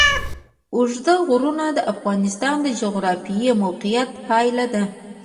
اوږده غرونه د افغانستان د جغرافیایي موقیعت پایله ده.